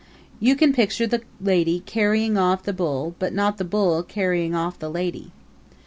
You can picture the lady carrying off the bull but not the bull carrying off the lady.